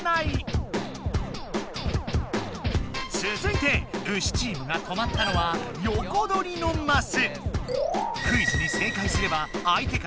つづいてウシチームが止まったのは「よこどり」のマス。